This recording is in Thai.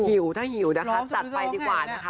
ถ้าหิวนะคะจัดไปดีกว่านะคะ